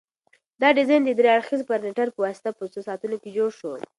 دا ډیزاین د درې اړخیزه پرنټر په واسطه په څو ساعتونو کې جوړ شو.